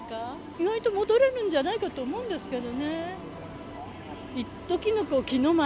意外と戻れるんじゃないかと思うんですけどね。